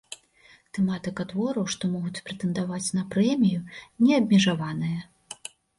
Тэматыка твораў, што могуць прэтэндаваць на прэмію, не абмежаваная.